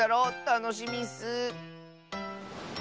たのしみッス！